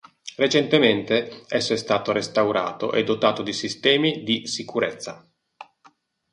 Recentemente esso è stato restaurato e dotato di sistemi di sicurezza.